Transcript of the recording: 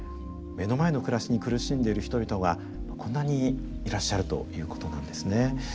目の前の暮らしに苦しんでる人々がこんなにいらっしゃるということなんですね。